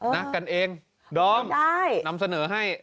นะกันเองดอมนำเสนอให้